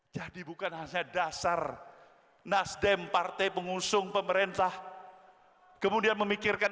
jadi bukan hanya dasar nasdem partai pengusung pemerintah kemudian memikirkan